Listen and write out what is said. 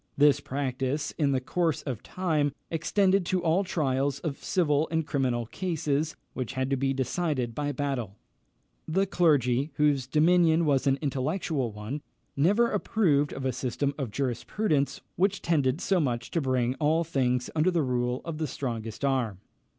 This practice in the course of time extended to all trials of civil and criminal cases, which had to be decided by battle. Esprit des Loix, liv. xxviii. chap. xvii. The clergy, whose dominion was an intellectual one, never approved of a system of jurisprudence which tended so much to bring all things under the rule of the strongest arm.